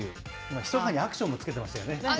ひそかにアクションもつけてますよね。